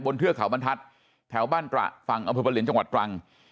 เทือกเขาบรรทัศน์แถวบ้านตระฝั่งอำเภอประเหลียนจังหวัดตรัง